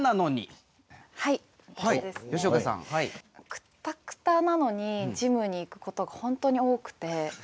クタクタなのにジムに行くことが本当に多くて。